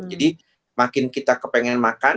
jadi makin kita kepengen makan